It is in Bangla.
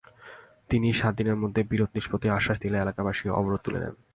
তিনি সাত দিনের মধ্যে বিরোধ নিষ্পত্তির আশ্বাস দিলে এলাকাবাসী অবরোধ তুলে নেন।